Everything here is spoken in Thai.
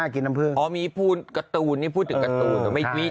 อ๋อกินน้ำพื้นอ๋อหมีภูการ์ตูนนี่พูดถึงการ์ตูน